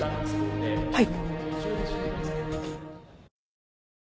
はい。